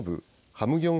ハムギョン